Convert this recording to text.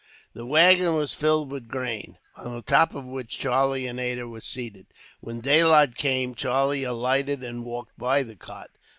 The waggon was filled with grain, on the top of which Charlie and Ada were seated. When daylight came, Charlie alighted and walked by the cart.